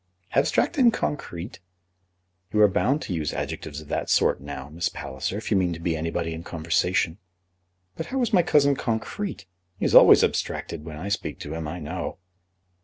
"Abstract and concrete!" "You are bound to use adjectives of that sort now, Miss Palliser, if you mean to be anybody in conversation." "But how is my cousin concrete? He is always abstracted when I speak to him, I know."